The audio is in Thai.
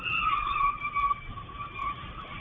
สวัสดีครับทุกคน